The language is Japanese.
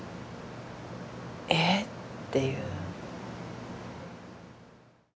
「え？」っていう。